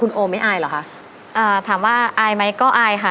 โอไม่อายเหรอคะอ่าถามว่าอายไหมก็อายค่ะ